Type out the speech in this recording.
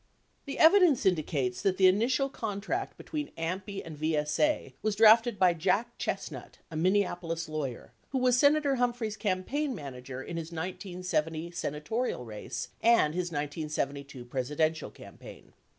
1 The evidence indicates that the initial contract between AMPI and VSA was drafted by J ack Chestnut, a Minneapolis lawyer, who was Senator Humphrey's campaign manager in his 1970 senatorial race and his 1972 Presidential campaign.